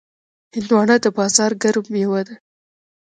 هندوانه د بازار ګرم میوه ده.